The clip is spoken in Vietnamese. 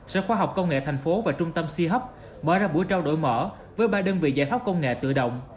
sở khoa học công nghệ tp hcm và trung tâm c hub mở ra buổi trao đổi mở với ba đơn vị giải pháp công nghệ tự động